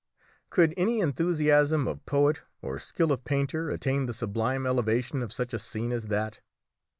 Could any enthusiasm of poet or skill of painter attain the sublime elevation of such a scene as that?